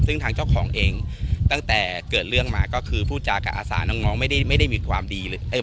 ซึ่งทางเจ้าของเองตั้งแต่เกิดเรื่องมาก็คือพูดจากับอาสาน้องไม่ได้มีความดีเลย